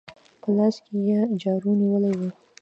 په لاس کې يې جارو نيولې وه.